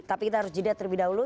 tapi kita harus jeda terlebih dahulu